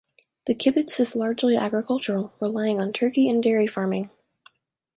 The kibbutz is largely agricultural, relying on turkey and dairy farming.